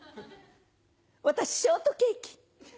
私ショートケーキ。